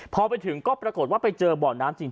พอไปถึงก็ปรากฏว่าไปเจอบ่อน้ำจริง